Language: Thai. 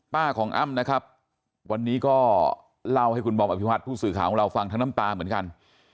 ของอ้ำนะครับวันนี้ก็เล่าให้คุณบอมอภิวัติผู้สื่อข่าวของเราฟังทั้งน้ำตาเหมือนกัน